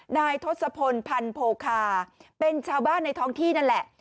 นายทศพลพันโพคาเป็นชาวบ้านในท้องที่นั่นแหละ